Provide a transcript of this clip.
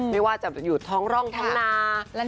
ไม่ว่าจะอยู่ท้องร่องท้องนา